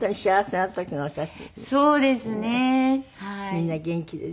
みんな元気でね。